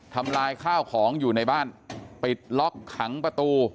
ทำลายข้าวของอยู่ในบ้านปิดล็อกขังประตู